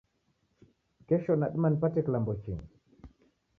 Kesho nadima nipate kilambo chingi?